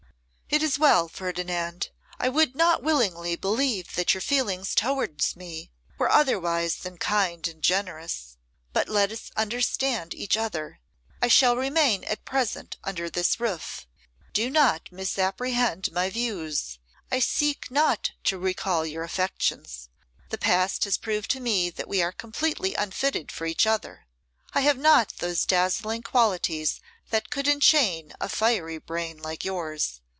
'It is well, Ferdinand. I would not willingly believe that your feelings towards me were otherwise than kind and generous. But let us understand each other. I shall remain at present under this roof. Do not misapprehend my views. I seek not to recall your affections. The past has proved to me that we are completely unfitted for each other. I have not those dazzling qualities that could enchain a fiery brain like yours.